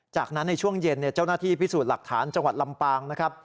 จากนั้นในช่วงเย็นเจ้าหน้าที่พิสูจน์หลักฐานจังหวัดลำปางนะครับ